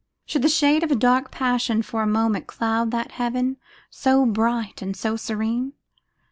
Should the shade of a dark passion for a moment cloud that heaven, so bright and so serene?